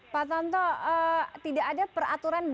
pak tonto tidak ada peraturan